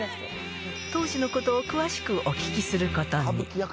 当時のことを詳しくお聞きすることに。